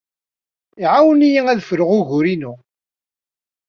Iɛawen-iyi ad fruɣ uguren-inu.